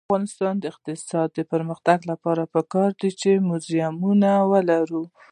د افغانستان د اقتصادي پرمختګ لپاره پکار ده چې موزیمونه ولرو.